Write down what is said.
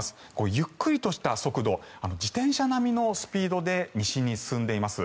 ゆっくりとした速度自転車並みのスピードで西に進んでいます。